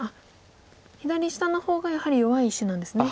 左下の方がやはり弱い石なんですね。